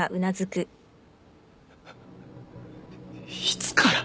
いつから？